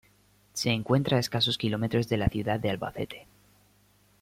Se encuentra a escasos kilómetros de la ciudad de Albacete.